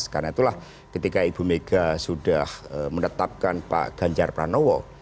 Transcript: karena itulah ketika ibu mega sudah menetapkan pak ganjar pranowo